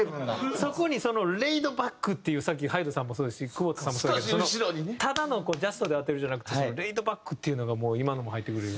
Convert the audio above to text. そこにレイドバックっていうさっきＨＹＤＥさんもそうですし久保田さんもそうだけどただのジャストで当てるんじゃなくてレイドバックっていうのがもう今のも入って。